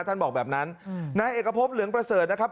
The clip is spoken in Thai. บอกแบบนั้นนายเอกพบเหลืองประเสริฐนะครับ